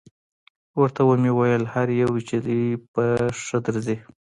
ورته ومې ویل: هر یو چې دې په نظر ښه درځي.